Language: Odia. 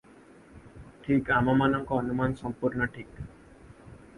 ଠିକ୍ ଆମ ମାନଙ୍କ ଅନୁମାନ ସମ୍ପୂର୍ଣ୍ଣ ଠିକ୍ ।